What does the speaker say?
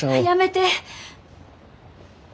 やめて！